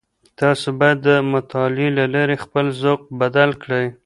تاسو بايد د مطالعې له لاري خپل ذوق بدل کړئ.